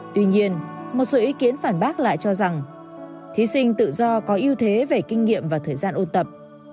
tuy nhiên một số ý kiến phản bác lại cho rằng thí sinh tự do có ưu thế về kinh nghiệm và thời gian ôn tập